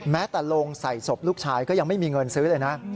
แม้แต่โรงใส่ศพลูกชายก็ยังไม่มีเงินซื้อเลยนะ